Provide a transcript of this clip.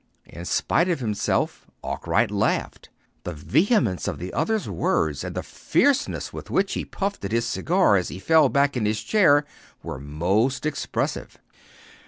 In spite of himself Arkwright laughed. The vehemence of the other's words, and the fierceness with which he puffed at his cigar as he fell back in his chair were most expressive.